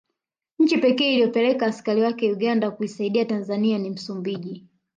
Nchi pekee iliyopeleka askari wake Uganda kuisaidia Tanzania ni Msumbiji